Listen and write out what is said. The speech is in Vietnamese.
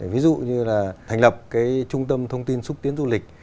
ví dụ như là hành lập trung tâm thông tin xúc tiến du lịch